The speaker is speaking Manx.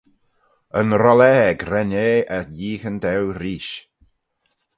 Yn Rollage ren eh y yeeaghyn daue reesht.